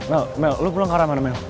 mel mel lo pulang ke arah mana mel